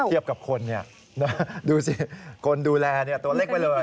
เทียบกับคนดูสิคนดูแลตัวเล็กไปเลย